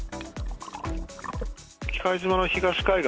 喜界島の東海岸